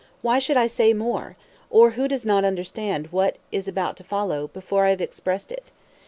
Why should I say more? or who does not understand what is about to follow, before I have expressed it?